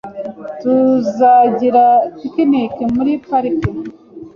Tuzagira picnic muri parike .